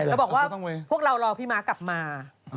แล้วบอกว่าพวกเรารอพี่ม้ากลับมา